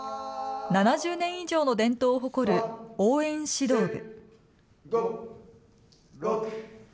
７０年以上の伝統を誇る、おう援指導部。